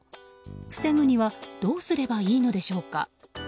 防ぐにはどうすればいいのでしょうか。